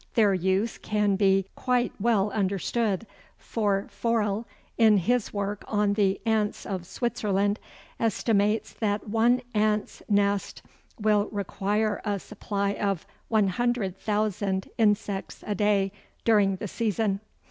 Their use can be quite well understood, for Forel, in his work on the Ants of Switzerland, estimates that one ants' nest will require a supply of 100,000 insects a day during the season.